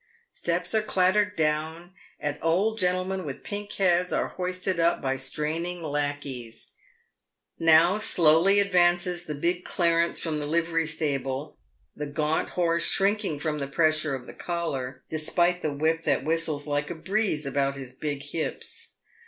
Steps are clattered down, and old gentlemen with pink heads are hoisted up by straining lacqueys. Now slowly advances the big clarence from the livery stable, the gaunt horse shrinking from the pressure of the collar, despite the whip that whistles like a breeze about his big hips.